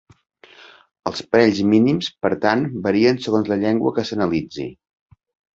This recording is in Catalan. Els parells mínims, per tant, varien segons la llengua que s'analitzi.